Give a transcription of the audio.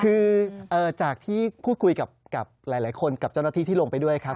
คือจากที่พูดคุยกับหลายคนกับเจ้าหน้าที่ที่ลงไปด้วยครับ